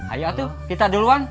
ayo tuh kita duluan